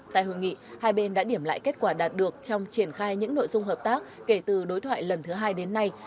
tại hội nghị hai bên đã điểm lại kết quả đạt được trong triển khai những nội dung hợp tác kể từ đối thoại lần thứ hai đến nay